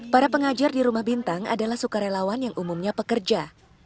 para pengajar di rumah bintang adalah sukarelawan yang umumnya pekerja